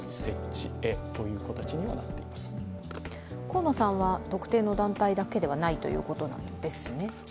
河野は特定の団体だけではないということなんですね。